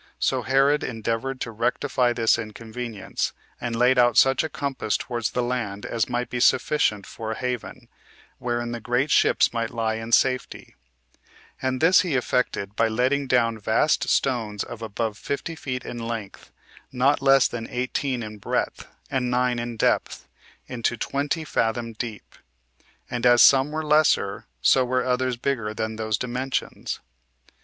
So Herod endeavored to rectify this inconvenience, and laid out such a compass towards the land as might be sufficient for a haven, wherein the great ships might lie in safety; and this he effected by letting down vast stones of above fifty feet in length, not less than eighteen in breadth, and nine in depth, into twenty fathom deep; and as some were lesser, so were others bigger than those dimensions.